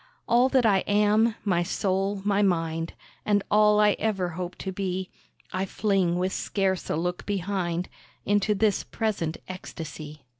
All that I am, my soul, my mind, And all I ever hope to be I fling, with scarce a look behind Into this present ecstasy.